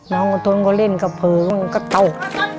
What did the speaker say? น้องอทนก็เล่นกระเพลิงก็เตาะ